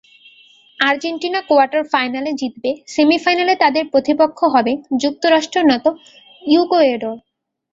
Argentina quarter ফাইনালে জিতলে সেমিফাইনালে তাদের প্রতিপক্ষ হবে যুক্তরাষ্ট্র নয়তো ইকুয়েডর।